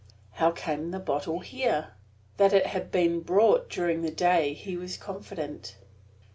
How came the bottle here? That it had been brought during the day he was confident.